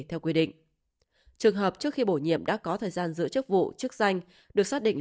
theo quy định trường hợp trước khi bổ nhiệm đã có thời gian giữ chức vụ chức danh được xác định